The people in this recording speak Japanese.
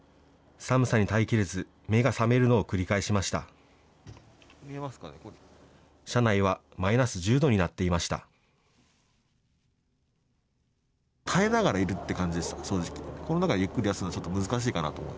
寒さに耐えきれず、目が覚めるのを繰り返しました。